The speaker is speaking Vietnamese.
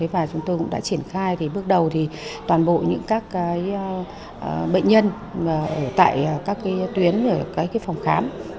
và chúng tôi cũng đã triển khai bước đầu thì toàn bộ những các bệnh nhân tại các tuyến phòng khám